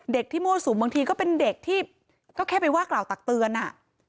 เด็กที่มั่วสุมบางทีก็เป็นเด็กที่ก็แค่ไปว่ากล่าวตักเตือนอ่ะ